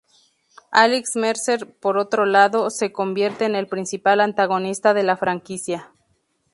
Alex Mercer, por otro lado, se convierte en el principal antagonista de la franquicia.